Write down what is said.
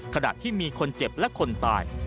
ขณะที่มีคนเจ็บและคนตาย